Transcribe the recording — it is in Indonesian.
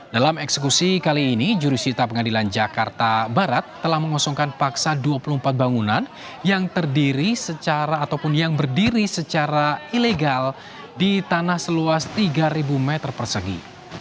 dalam eksekusi kali ini jurusita pengadilan jakarta barat telah mengosongkan paksa dua puluh empat bangunan yang terdiri secara ataupun yang berdiri secara ilegal di tanah seluas tiga meter persegi